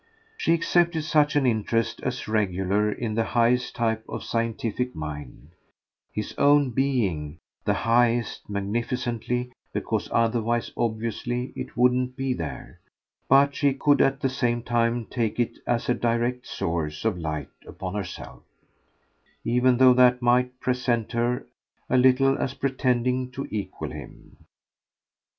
She accepted such an interest as regular in the highest type of scientific mind his own BEING the highest, magnificently because otherwise obviously it wouldn't be there; but she could at the same time take it as a direct source of light upon herself, even though that might present her a little as pretending to equal him.